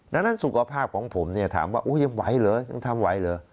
ดังนั้นสุขภาพของผมเนี่ยถามว่ายังไหวเหรอยังทำไหวเหรอ